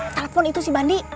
telepon itu si bandi